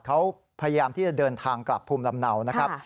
เขาพยายามที่จะเดินทางกลับภูมิลำเนานะครับ